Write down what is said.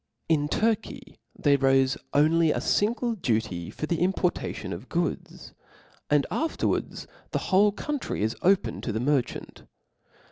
In Turky they raife only a Iingle duty for the importation of goods, and after \ wards the whole country is open ta the merchant.